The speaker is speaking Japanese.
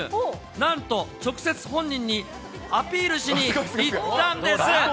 なんと直接本人にアピールしに行ったんです。